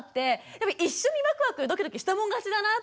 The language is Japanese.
でも一緒にワクワクドキドキしたもん勝ちだなって。